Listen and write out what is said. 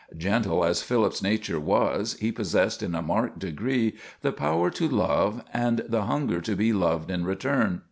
Gentle as Philip's nature was, he possessed in a marked degree the power to love and the hunger to be loved in return.